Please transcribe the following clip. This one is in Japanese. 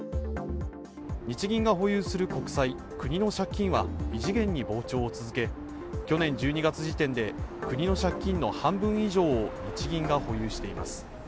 日銀が保有する国債、国の借金は異次元に膨張を続け去年１２月時点で国の借金の半分以上を日銀が保有しています。